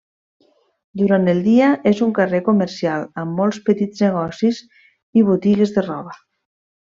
Durant el dia, és un carrer comercial amb molts petits negocis i botigues de roba.